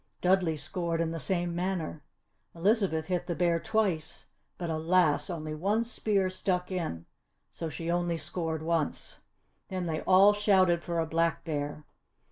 Dudley scored in the same manner. Elizabeth hit the bear twice but alas! only one spear stuck in so she only scored once. Then they all shouted for a Black Bear.